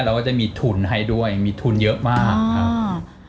ก็จะมีทุนให้ด้วยมีทุนเยอะมากครับ